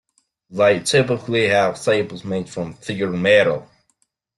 They typically have staples made from thicker metal.